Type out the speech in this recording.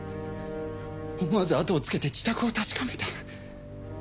思わずあとをつけて自宅を確かめた。